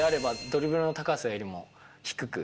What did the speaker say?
ドリブルの高さより低く？